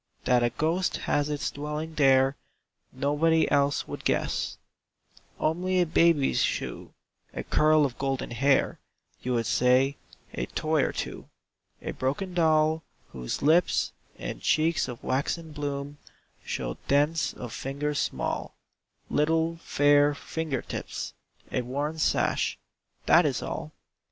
That a ghost has its dwelling there Nobody else would guess, "Only a baby's shoe, A curl of golden hair," You would say, "a toy or two, "A broken doll, whose lips And cheeks of waxen bloom Show dents of fingers small, Little, fair finger tips, A worn sash, that is all."